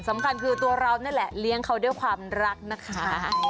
สำคัญคือตัวเรานั่นแหละเลี้ยงเขาด้วยความรักนะคะ